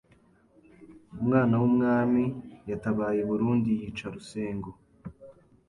umwana w’umwami yatabaye i Burundi yica Rusengo